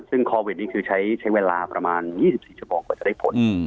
ซึ่งโควิดนี้คือใช้เวลาประมาณ๒๔ชั่วโมงกว่าจะได้ผล